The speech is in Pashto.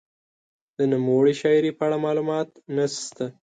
د نوموړې شاعرې په اړه معلومات نشته.